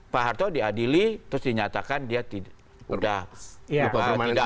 pak harto diadili terus dinyatakan dia udah